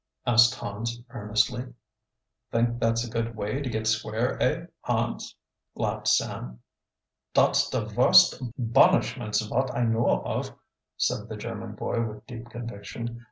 asked Hans earnestly. "Think that's a good way to get square, eh, Hans?" laughed Sam. "Dot's der vorst bunishments vot I know of," said the German boy with deep conviction.